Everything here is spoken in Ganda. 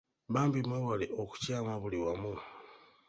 Bambi mwewale okukyama buli wamu.